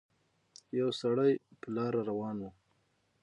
يو سړی په لاره روان وو